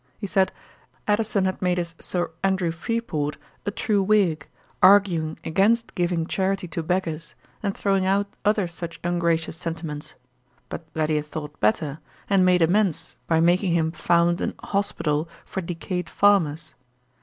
He said, 'Addison had made his Sir Andrew Freeport a true Whig, arguing against giving charity to beggars, and throwing out other such ungracious sentiments; but that he had thought better, and made amends by making him found an hospital for decayed farmers.'